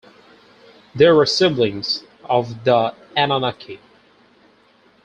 They were siblings of the Anunnaki.